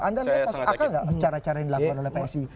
anda lihat masuk akal nggak cara cara yang dilakukan oleh psi